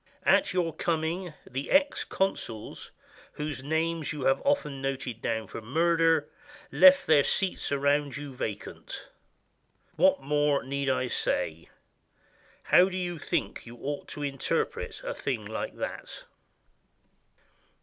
At your coming, the ex consuls — whose names you have often noted down for murder — left the seats around you vacant. What more need I say? How do you think you ought to interpret a thing like that?"